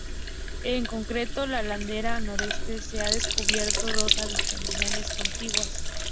En concreto, en la ladera noroeste se han descubierto dos habitaciones contiguas.